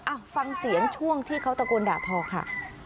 อ่ะฟังเสียงช่วงที่เขาตะโกนด่าทอค่ะ